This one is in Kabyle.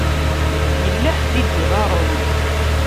Yella ḥedd i d-iɣaṛen.